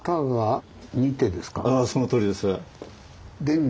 ああそのとおりです。